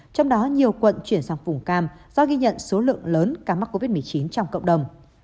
trong đó nhiều quận chuyển sang vùng cam do ghi nhận số lượng lớn ca mắc covid một mươi chín trong cộng đồng